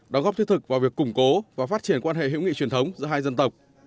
đóng góp thiết thực vào việc củng cố và phát triển quan hệ hữu nghị truyền thống giữa hai dân tộc